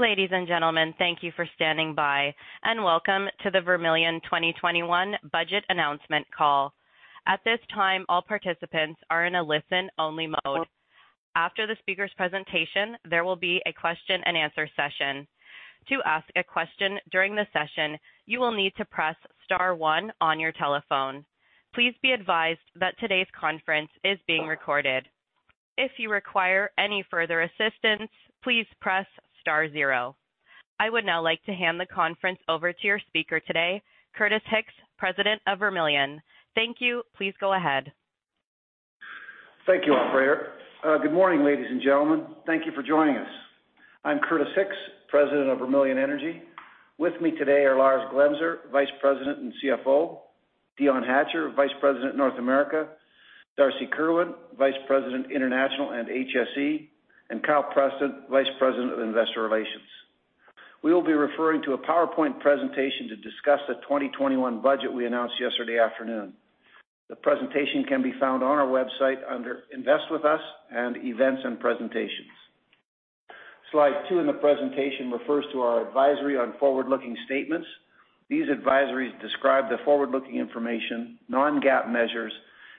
Ladies and gentlemen, thank you for standing by, and welcome to the Vermilion 2021 budget announcement call. At this time, all participants are in a listen-only mode. After the speaker's presentation, there will be a question-and-answer session. To ask a question during the session, you will need to press star one on your telephone. Please be advised that today's conference is being recorded. If you require any further assistance, please press star zero. I would now like to hand the conference over to your speaker today, Curtis Hicks, President of Vermilion. Thank you. Please go ahead. Thank you, operator. Good morning, ladies and gentlemen. Thank you for joining us. I'm Curtis Hicks, President of Vermilion Energy. With me today are Lars Glemser, Vice President and CFO, Dion Hatcher, Vice President, North America, Darcy Kerwin, Vice President, International and HSE, and Kyle Preston, Vice President of Investor Relations. We will be referring to a PowerPoint presentation to discuss the 2021 budget we announced yesterday afternoon. The presentation can be found on our website under Invest With Us and Events and Presentations. Slide two in the presentation refers to our advisory on forward-looking statements. These advisories describe the forward-looking information, non-GAAP measures,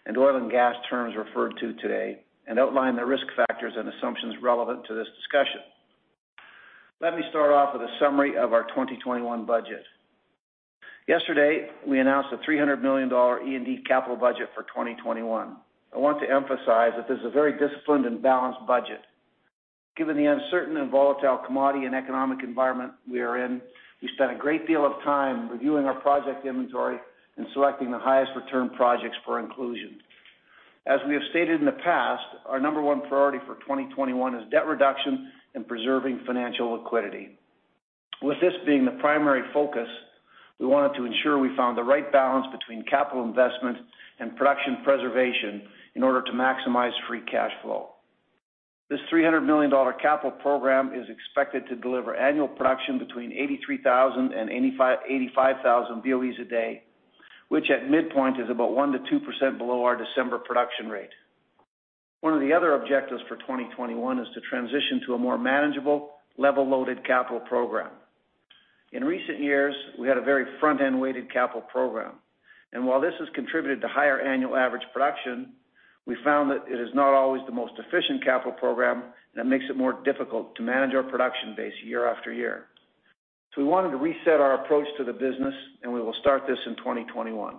and oil and gas terms referred to today and outline the risk factors and assumptions relevant to this discussion. Let me start off with a summary of our 2021 budget. Yesterday, we announced a 300 million dollar E&D capital budget for 2021. I want to emphasize that this is a very disciplined and balanced budget. Given the uncertain and volatile commodity and economic environment we are in, we spent a great deal of time reviewing our project inventory and selecting the highest return projects for inclusion. As we have stated in the past, our number one priority for 2021 is debt reduction and preserving financial liquidity. With this being the primary focus, we wanted to ensure we found the right balance between capital investment and production preservation in order to maximize free cash flow. This 300 million dollar capital program is expected to deliver annual production between 83,000 and 85,000 BOEs a day, which at midpoint is about 1%-2% below our December production rate. One of the other objectives for 2021 is to transition to a more manageable, level-loaded capital program. In recent years, we had a very front-end-weighted capital program, and while this has contributed to higher annual average production, we found that it is not always the most efficient capital program, and it makes it more difficult to manage our production base year after year. So we wanted to reset our approach to the business, and we will start this in 2021.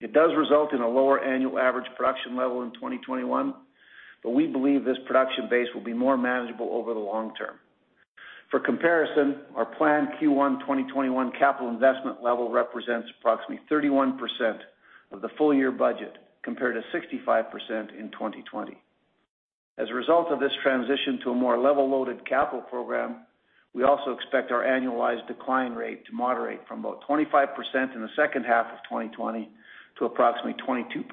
It does result in a lower annual average production level in 2021, but we believe this production base will be more manageable over the long term. For comparison, our planned Q1 2021 capital investment level represents approximately 31% of the full-year budget, compared to 65% in 2020. As a result of this transition to a more level-loaded capital program, we also expect our annualized decline rate to moderate from about 25% in the second half of 2020 to approximately 22%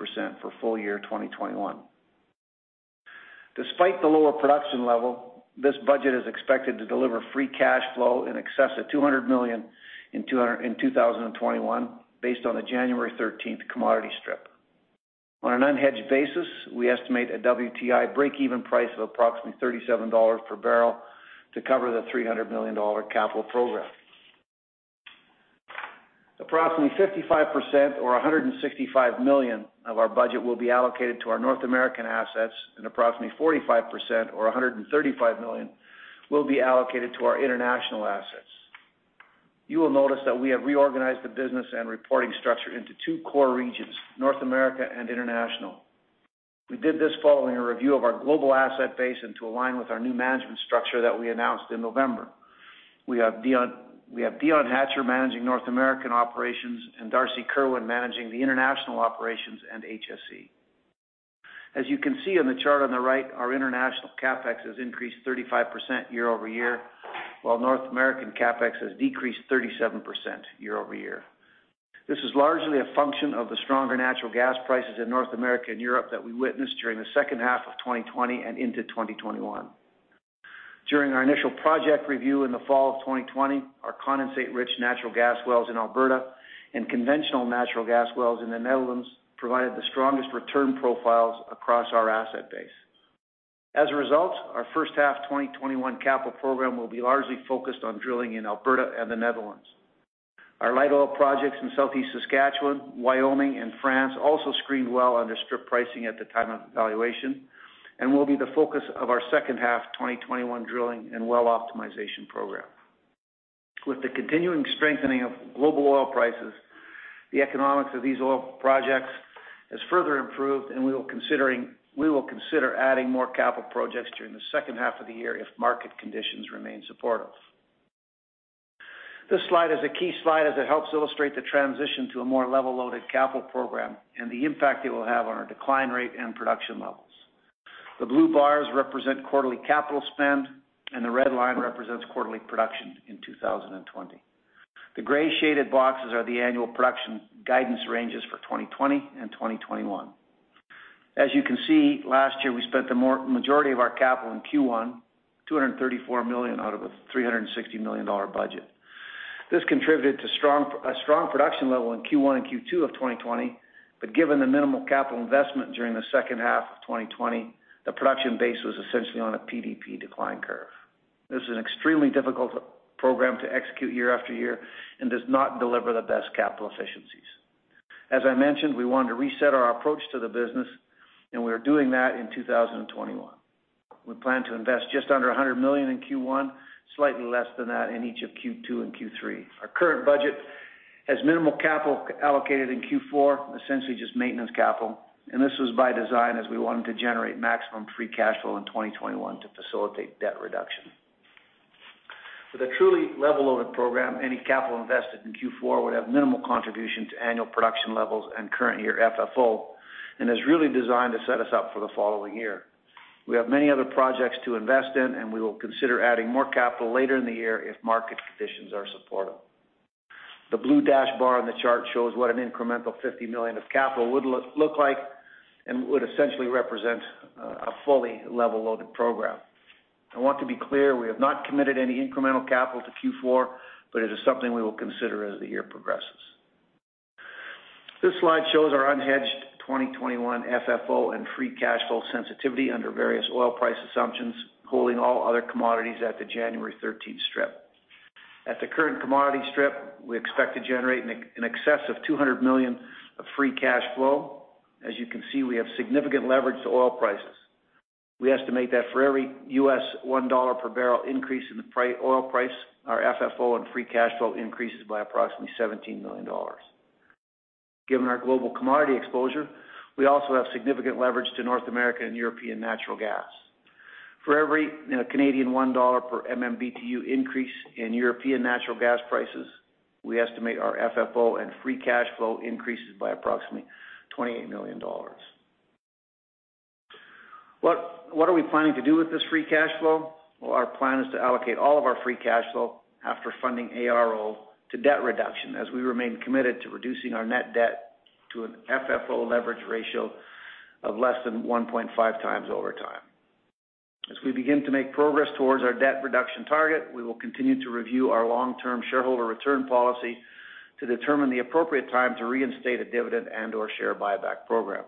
for full year 2021. Despite the lower production level, this budget is expected to deliver free cash flow in excess of $200 million in 2021, based on the January 13th commodity strip. On an unhedged basis, we estimate a WTI break-even price of approximately $37 per barrel to cover the $300 million capital program. Approximately 55%, or $165 million, of our budget will be allocated to our North American assets, and approximately 45%, or $135 million, will be allocated to our international assets. You will notice that we have reorganized the business and reporting structure into two core regions, North America and International. We did this following a review of our global asset base and to align with our new management structure that we announced in November. We have Dion, we have Dion Hatcher managing North American operations and Darcy Kerwin managing the international operations and HSE. As you can see on the chart on the right, our international CapEx has increased 35% year-over-year, while North American CapEx has decreased 37% year-over-year. This is largely a function of the stronger natural gas prices in North America and Europe that we witnessed during the second half of 2020 and into 2021. During our initial project review in the fall of 2020, our condensate-rich natural gas wells in Alberta and conventional natural gas wells in the Netherlands provided the strongest return profiles across our asset base. As a result, our first half 2021 capital program will be largely focused on drilling in Alberta and the Netherlands. Our light oil projects in Southeast Saskatchewan, Wyoming, and France also screened well under strip pricing at the time of evaluation and will be the focus of our second half 2021 drilling and well optimization program. With the continuing strengthening of global oil prices, the economics of these oil projects has further improved, and we will consider adding more capital projects during the second half of the year if market conditions remain supportive. This slide is a key slide as it helps illustrate the transition to a more level-loaded capital program and the impact it will have on our decline rate and production levels. The blue bars represent quarterly capital spend, and the red line represents quarterly production in 2020. The gray shaded boxes are the annual production guidance ranges for 2020 and 2021. As you can see, last year, we spent the majority of our capital in Q1, 234 million out of a 360 million dollar budget. This contributed to a strong production level in Q1 and Q2 of 2020, but given the minimal capital investment during the second half of 2020, the production base was essentially on a PDP decline curve. This is an extremely difficult program to execute year after year and does not deliver the best capital efficiencies. As I mentioned, we wanted to reset our approach to the business, and we are doing that in 2021. We plan to invest just under 100 million in Q1, slightly less than that in each of Q2 and Q3. Our current budget has minimal capital allocated in Q4, essentially just maintenance capital, and this was by design as we wanted to generate maximum free cash flow in 2021 to facilitate debt reduction. With a truly level-loaded program, any capital invested in Q4 would have minimal contribution to annual production levels and current year FFO, and is really designed to set us up for the following year. We have many other projects to invest in, and we will consider adding more capital later in the year if market conditions are supportive. The blue dashed bar on the chart shows what an incremental $50 million of capital would look like and would essentially represent a fully level-loaded program. I want to be clear, we have not committed any incremental capital to Q4, but it is something we will consider as the year progresses. This slide shows our unhedged 2021 FFO and free cash flow sensitivity under various oil price assumptions, holding all other commodities at the January 13th strip. At the current commodity strip, we expect to generate in excess of $200 million of free cash flow. As you can see, we have significant leverage to oil prices. We estimate that for every $1 per barrel increase in the oil price, our FFO and free cash flow increases by approximately $17 million. Given our global commodity exposure, we also have significant leverage to North American and European natural gas. For every, you know, 1 Canadian dollar per MMBtu increase in European natural gas prices, we estimate our FFO and free cash flow increases by approximately 28 million dollars. What, what are we planning to do with this free cash flow? Well, our plan is to allocate all of our free cash flow after funding ARO to debt reduction, as we remain committed to reducing our net debt to an FFO leverage ratio of less than 1.5x over time. As we begin to make progress towards our debt reduction target, we will continue to review our long-term shareholder return policy to determine the appropriate time to reinstate a dividend and/or share buyback program.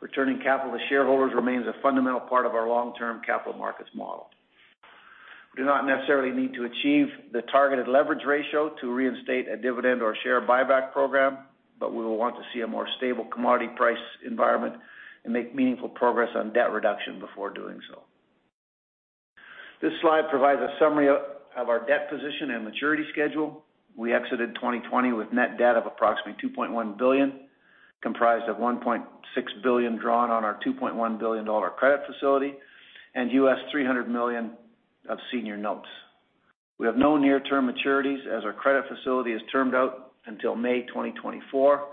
Returning capital to shareholders remains a fundamental part of our long-term capital markets model. We do not necessarily need to achieve the targeted leverage ratio to reinstate a dividend or share buyback program, but we will want to see a more stable commodity price environment and make meaningful progress on debt reduction before doing so. This slide provides a summary of our debt position and maturity schedule. We exited 2020 with net debt of approximately $2.1 billion, comprised of $1.6 billion drawn on our $2.1 billion credit facility and $300 million of senior notes. We have no near-term maturities, as our credit facility is termed out until May 2024,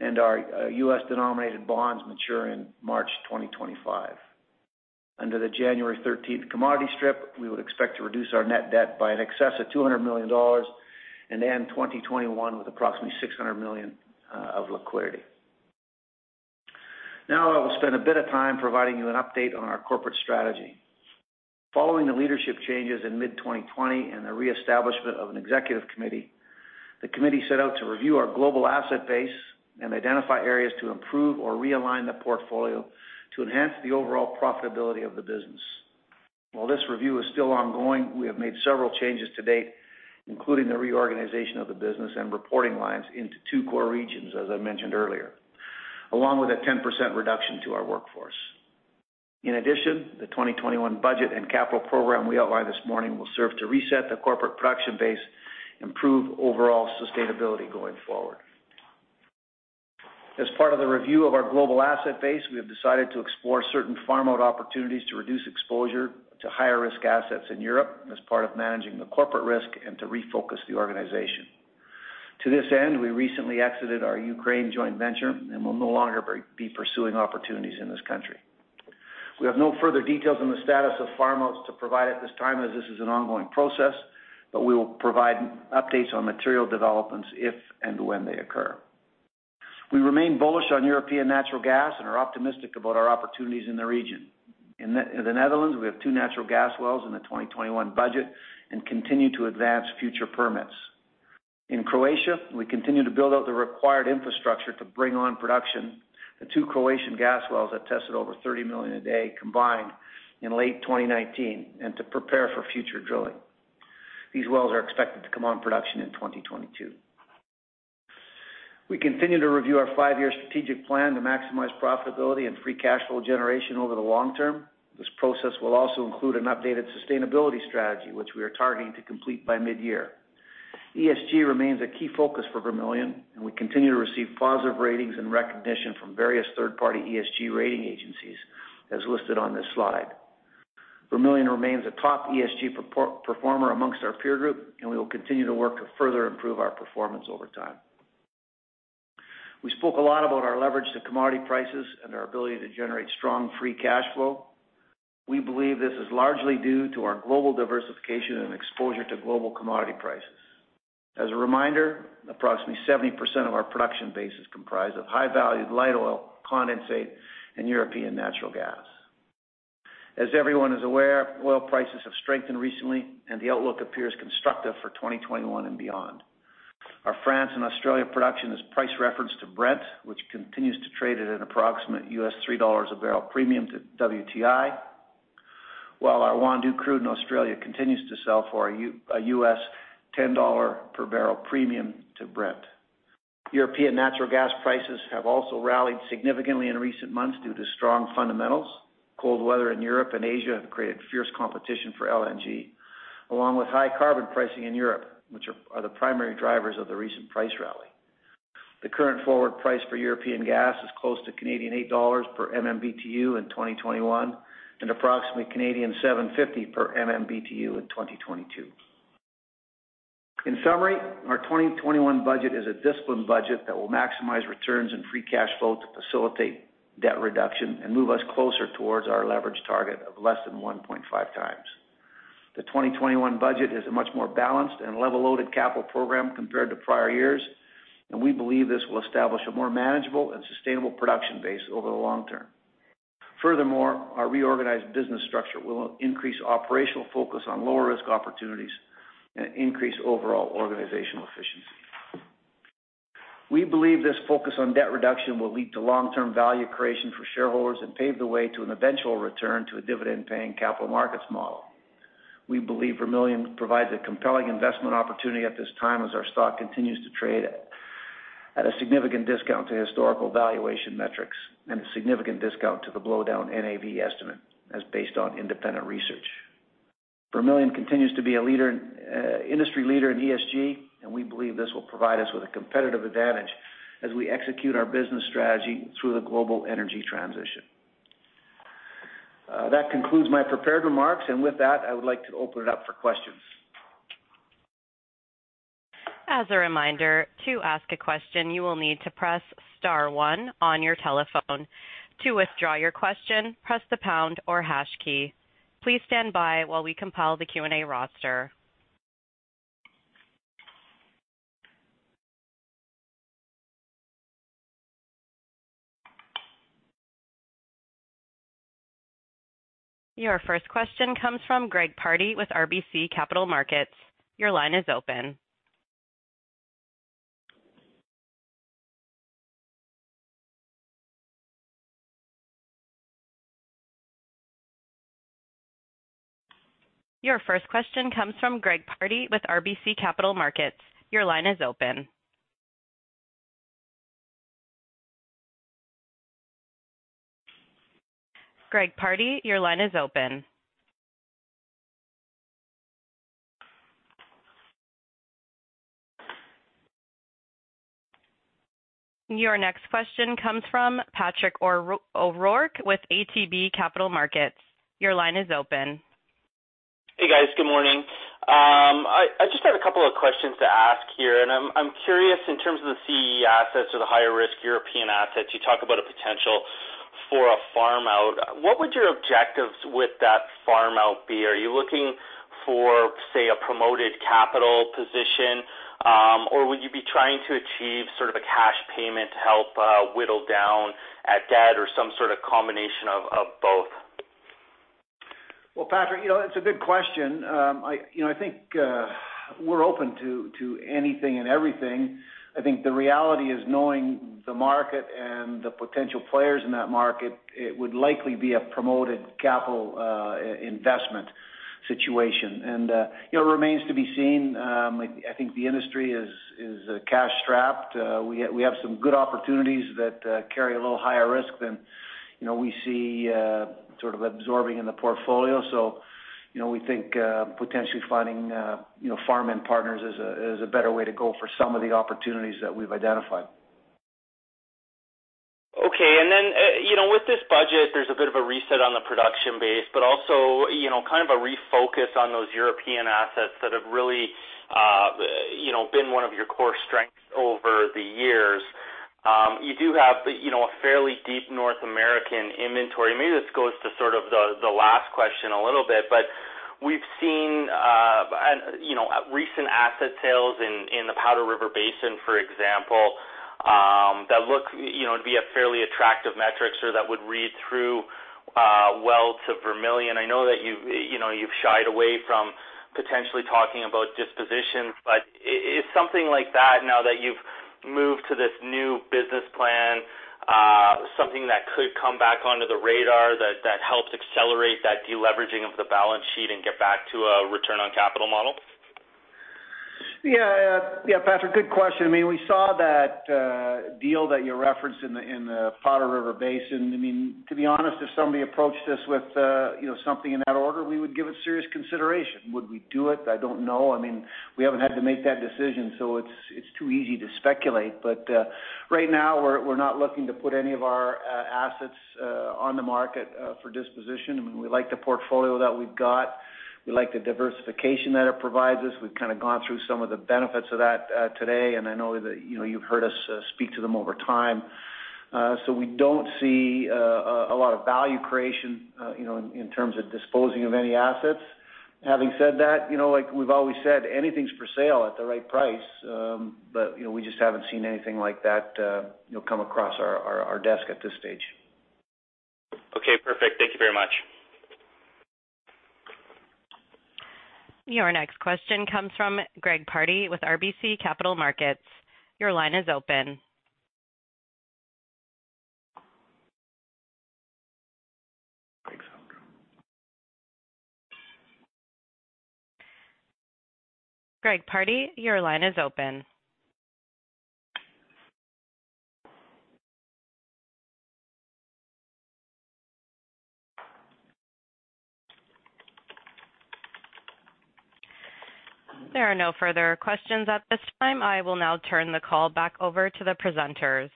and our U.S.-denominated bonds mature in March 2025. Under the January 13th commodity strip, we would expect to reduce our net debt by in excess of $200 million and end 2021 with approximately $600 million of liquidity. Now, I will spend a bit of time providing you an update on our corporate strategy. Following the leadership changes in mid-2020 and the reestablishment of an executive committee, the committee set out to review our global asset base and identify areas to improve or realign the portfolio to enhance the overall profitability of the business. While this review is still ongoing, we have made several changes to date, including the reorganization of the business and reporting lines into two core regions, as I mentioned earlier, along with a 10% reduction to our workforce. In addition, the 2021 budget and capital program we outlined this morning will serve to reset the corporate production base, improve overall sustainability going forward. As part of the review of our global asset base, we have decided to explore certain farmout opportunities to reduce exposure to higher-risk assets in Europe as part of managing the corporate risk and to refocus the organization. To this end, we recently exited our Ukraine joint venture and will no longer be pursuing opportunities in this country. We have no further details on the status of farmouts to provide at this time, as this is an ongoing process, but we will provide updates on material developments if and when they occur. We remain bullish on European natural gas and are optimistic about our opportunities in the region. In the Netherlands, we have two natural gas wells in the 2021 budget and continue to advance future permits. In Croatia, we continue to build out the required infrastructure to bring on production the two Croatian gas wells that tested over 30 million a day combined in late 2019, and to prepare for future drilling. These wells are expected to come on production in 2022. We continue to review our five-year strategic plan to maximize profitability and free cash flow generation over the long term. This process will also include an updated sustainability strategy, which we are targeting to complete by mid-year. ESG remains a key focus for Vermilion, and we continue to receive positive ratings and recognition from various third-party ESG rating agencies, as listed on this slide. Vermilion remains a top ESG performer amongst our peer group, and we will continue to work to further improve our performance over time. We spoke a lot about our leverage to commodity prices and our ability to generate strong free cash flow. We believe this is largely due to our global diversification and exposure to global commodity prices. As a reminder, approximately 70% of our production base is comprised of high-value light oil, condensate, and European natural gas.... As everyone is aware, oil prices have strengthened recently, and the outlook appears constructive for 2021 and beyond. Our France and Australia production is price-referenced to Brent, which continues to trade at an approximate $3 a barrel premium to WTI, while our Wandoo crude in Australia continues to sell for a $10 per barrel premium to Brent. European natural gas prices have also rallied significantly in recent months due to strong fundamentals. Cold weather in Europe and Asia have created fierce competition for LNG, along with high carbon pricing in Europe, which are the primary drivers of the recent price rally. The current forward price for European gas is close to 8 dollars per MMBtu in 2021, and approximately 7.50 per MMBtu in 2022. In summary, our 2021 budget is a disciplined budget that will maximize returns and free cash flow to facilitate debt reduction and move us closer towards our leverage target of less than 1.5x. The 2021 budget is a much more balanced and level-loaded capital program compared to prior years, and we believe this will establish a more manageable and sustainable production base over the long term. Furthermore, our reorganized business structure will increase operational focus on lower-risk opportunities and increase overall organizational efficiency. We believe this focus on debt reduction will lead to long-term value creation for shareholders and pave the way to an eventual return to a dividend-paying capital markets model. We believe Vermilion provides a compelling investment opportunity at this time, as our stock continues to trade at a significant discount to historical valuation metrics and a significant discount to the blowdown NAV estimate, as based on independent research. Vermilion continues to be an industry leader in ESG, and we believe this will provide us with a competitive advantage as we execute our business strategy through the global energy transition. That concludes my prepared remarks, and with that, I would like to open it up for questions. As a reminder, to ask a question, you will need to press star one on your telephone. To withdraw your question, press the pound or hash key. Please stand by while we compile the Q&A roster. Your first question comes from Greg Pardy with RBC Capital Markets. Your line is open. Your first question comes from Greg Pardy with RBC Capital Markets. Your line is open. Greg Pardy, your line is open. Your next question comes from Patrick O'Rourke with ATB Capital Markets. Your line is open. Hey, guys. Good morning. I just had a couple of questions to ask here, and I'm curious in terms of the CEE assets or the higher-risk European assets, you talk about a potential for a farm-out. What would your objectives with that farm-out be? Are you looking for, say, a promoted capital position, or would you be trying to achieve sort of a cash payment to help, whittle down at debt or some sort of combination of both? Well, Patrick, you know, it's a good question. I you know I think we're open to to anything and everything. I think the reality is knowing the market and the potential players in that market, it would likely be a promoted capital investment situation. And you know it remains to be seen. I I think the industry is is cash-strapped. We have we have some good opportunities that carry a little higher risk than you know we see sort of absorbing in the portfolio. So you know we think potentially finding you know farm-in partners is a is a better way to go for some of the opportunities that we've identified. Okay, and then, you know, with this budget, there's a bit of a reset on the production base, but also, you know, kind of a refocus on those European assets that have really, you know, been one of your core strengths over the years. You do have, you know, a fairly deep North American inventory. Maybe this goes to sort of the last question a little bit, but we've seen, and, you know, recent asset sales in the Powder River Basin, for example, that look, you know, to be a fairly attractive metrics or that would read through, well to Vermilion. I know that you've, you know, you've shied away from potentially talking about dispositions, but is something like that, now that you've moved to this new business plan, something that could come back onto the radar that, that helps accelerate that deleveraging of the balance sheet and get back to a return on capital model? Yeah. Yeah, Patrick, good question. I mean, we saw that, deal that you referenced in the Powder River Basin. I mean, to be honest, if somebody approached us with, you know, something in that order, we would give it serious consideration. Would we do it? I don't know. I mean, we haven't had to make that decision, so it's too easy to speculate. But, right now, we're not looking to put any of our, assets, on the market, for disposition. I mean, we like the portfolio that we've got. We like the diversification that it provides us. We've kind of gone through some of the benefits of that, today, and I know that, you know, you've heard us, speak to them over time. So we don't see a lot of value creation, you know, in terms of disposing of any assets. Having said that, you know, like we've always said, anything's for sale at the right price, but, you know, we just haven't seen anything like that, you know, come across our desk at this stage. Okay, perfect. Thank you very much. Your next question comes from Greg Pardy with RBC Capital Markets. Your line is open. Greg Pardy, your line is open. There are no further questions at this time. I will now turn the call back over to the presenters.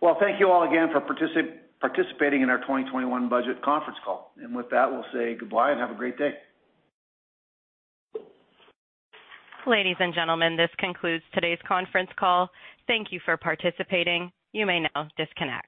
Well, thank you all again for participating in our 2021 budget conference call. With that, we'll say goodbye and have a great day. Ladies and gentlemen, this concludes today's conference call. Thank you for participating. You may now disconnect.